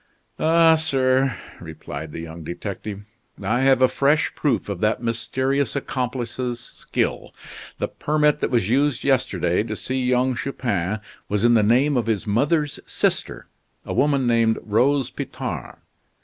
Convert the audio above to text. "Ah, sir," replied the young detective, "I have a fresh proof of that mysterious accomplice's skill. The permit that was used yesterday to see young Chupin was in the name of his mother's sister, a woman named Rose Pitard.